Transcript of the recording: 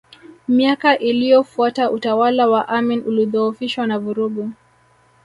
Miaka iliyofuata utawala wa Amin ulidhoofishwa na vurugu